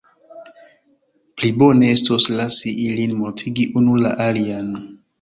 Pli bone estos lasi ilin mortigi unu la alian.